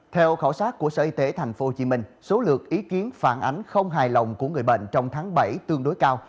theo khảo sát của sở y tế tp hcm số lượt ý kiến phản ánh không hài lòng của người bệnh trong tháng bảy tương đối cao